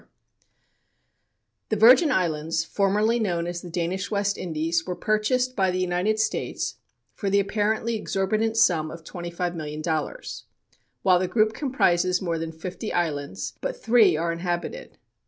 CROIX The Virgin Islands formerly known as the Danish West Indies were purchased by the United States for the apparently exorbitant sum of $25,000,000. While the group comprises more than fifty islands, but three are inhabited.